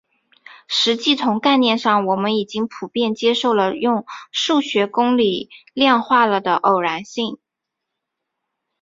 实际从概念上我们已经普遍接受了用数学公理量化了的偶然性。